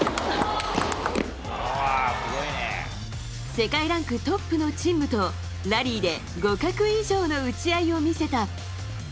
世界ランクトップのチン・ムとラリーで互角以上の打ち合いを見せた。